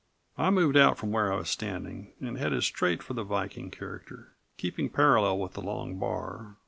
I moved out from where I was standing and headed straight for the Viking character, keeping parallel with the long bar.